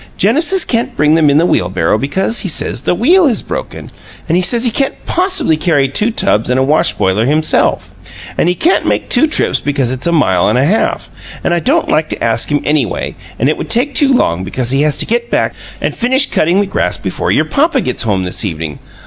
Genesis can't bring them in the wheelbarrow, because, he says, the wheel is broken, and he says he can't possibly carry two tubs and a wash boiler himself; and he can't make two trips because it's a mile and a half, and I don't like to ask him, anyway; and it would take too long, because he has to get back and finish cutting the grass before your papa gets home this evening.